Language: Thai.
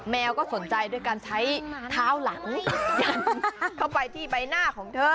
แมวก็สนใจด้วยการใช้เท้าหลังยันเข้าไปที่ใบหน้าของเธอ